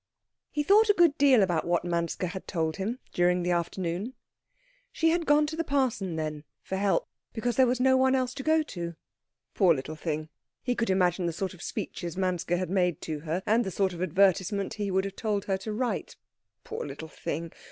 He thought a good deal about what Manske had told him during the afternoon. She had gone to the parson, then, for help, because there was no one else to go to. Poor little thing. He could imagine the sort of speeches Manske had made her, and the sort of advertisement he would have told her to write. Poor little thing.